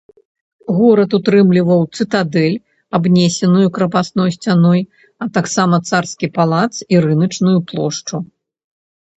Горад утрымліваў цытадэль, абнесеную крапасной сцяной, а таксама царскі палац і рыначную плошчу.